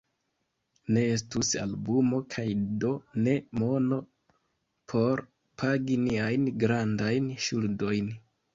Ne estus albumo kaj do ne mono por pagi niajn grandajn ŝuldojn.